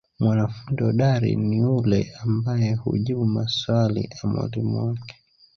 Mwanafundi hodari ni ule ambae hujibu maswali a mwalimu wake.